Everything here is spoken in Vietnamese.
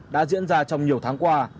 đã diễn ra trong nhiều tháng qua